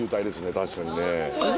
確かにね。